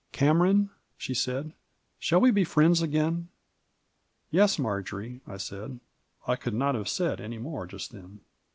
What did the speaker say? "Cameron," she said, "shall we be friends again?" " Yes, Marjory," I said ; I could not have said any more just then.